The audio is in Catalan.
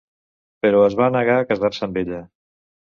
Però es va negar a casar-se amb ella.